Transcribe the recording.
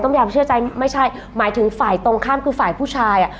ไม่ใช่หมายถึงฝ่ายตรงข้ามคือฝ่ายผู้ชาย